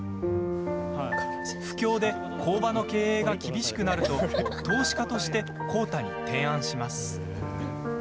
不況で工場の経営が厳しくなると投資家として浩太に提案します。